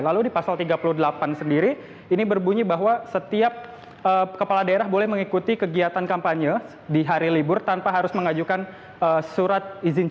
lalu di pasal tiga puluh delapan sendiri ini berbunyi bahwa setiap kepala daerah boleh mengikuti kegiatan kampanye di hari libur tanpa harus mengajukan surat